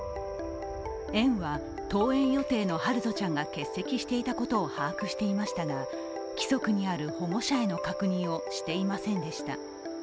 園は登園予定の陽翔ちゃんが欠席していたことを把握していましたが規則にある保護者への確認をしていませんでした。